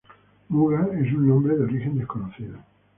Muga es un nombre de origen desconocido.